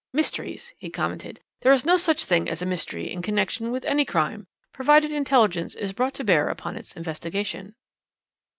"Mysteries!" he commented. "There is no such thing as a mystery in connection with any crime, provided intelligence is brought to bear upon its investigation."